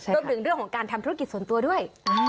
รวมถึงเรื่องของการทำธุรกิจส่วนตัวด้วย